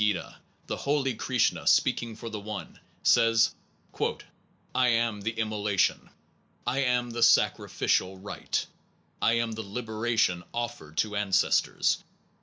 In the Bhagavat gita the holy Krishna speaking for the One, says: I am the immolation. I am the sacrificial rite. I am the libation offered to ancestors.